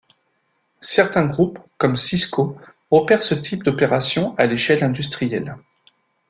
Certains groupes, comme Cisco, opèrent ce type d'opération à l'échelle industrielle.